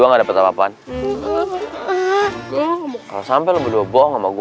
emang enggak tau enggak tahu enggak tahu